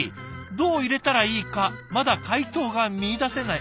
「どう入れたらいいかまだ解答が見いだせない」。